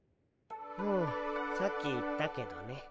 うんさっき言ったけどね。